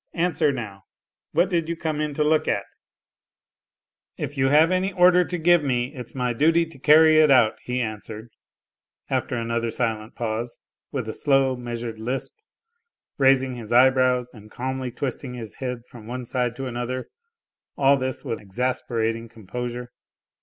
Answer, now : what did you come in to look at ?"" If you have any order to give me it's my duty to carry it out," he answered, after another silent pause, with a slow, measured lisp, raising his eyebrows and calmly twisting his head from one side to another, all this with exasperating composure.